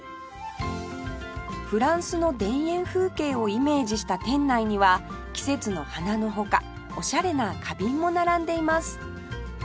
フランスの田園風景をイメージした店内には季節の花の他おしゃれな花瓶も並んでいます